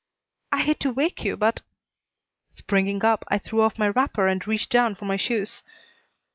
"I hate to wake you, but " Springing up, I threw off my wrapper and reached down for my shoes.